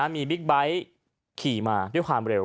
มีบิ๊กไบท์ขี่มาด้วยความเร็ว